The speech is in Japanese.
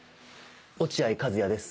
落合和哉です